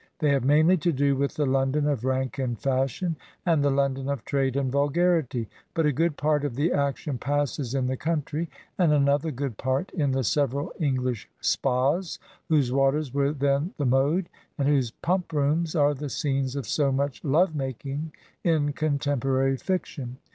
They have mainly to do with the London of rank and fashion, and the London of trade and vulgarity; but a good part of the action passes in the country, and another good part in the several English spas whose waters were then the mode, and whose pump rooms are the scenes of so much love making in contemporary fiction.